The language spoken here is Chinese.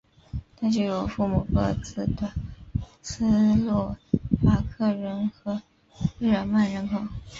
他具有母父各自的斯洛伐克人和日耳曼人血统。